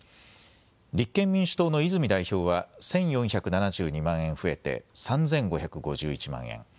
立憲民主党の泉代表は１４７２万円増えて３５５１万円。